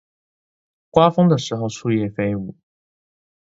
刮風的時候樹葉飛舞